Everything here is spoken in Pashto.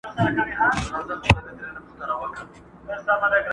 زما په غم کي تر قيامته به ژړيږي،